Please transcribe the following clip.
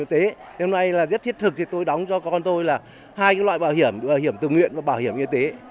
hôm nay là rất thiết thực thì tôi đóng cho con tôi là hai loại bảo hiểm bảo hiểm tự nguyện và bảo hiểm y tế